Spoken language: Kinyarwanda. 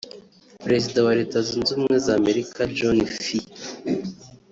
Perezida wa Leta Zunze Ubumwe za Amerika John F